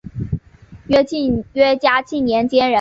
约嘉庆年间人。